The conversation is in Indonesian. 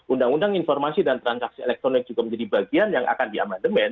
undang undang informasi dan transaksi elektronik juga menjadi bagian yang akan diamandemen